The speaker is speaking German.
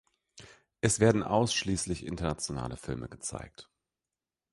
Es werden ausschließlich internationale Filme gezeigt.